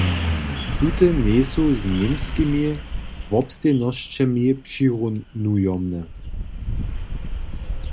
Tute njejsu z němskimi wobstejnosćemi přirunujomne.